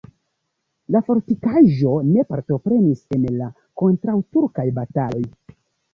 La fortikaĵo ne partoprenis en la kontraŭturkaj bataloj.